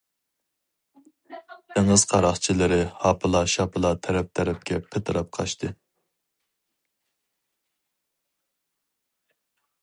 دېڭىز قاراقچىلىرى ھاپىلا-شاپىلا تەرەپ-تەرەپكە پىتىراپ قاچتى.